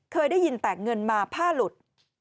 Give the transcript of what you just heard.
เคยได้ยินแต่เงินมาผ้าหลุด